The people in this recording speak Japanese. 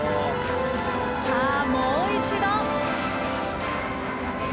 さあもう一度！